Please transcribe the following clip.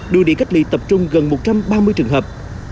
đưa đi cách ly tập trung gần một trăm ba mươi trường hợp